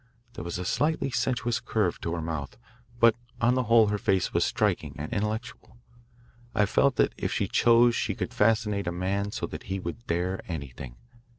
There was a slightly sensuous curve to her mouth, but on the whole her face was striking and intellectual. I felt that if she chose she could fascinate a man so that he would dare anything.